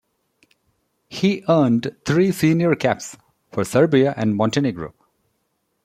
He earned three senior caps for Serbia and Montenegro.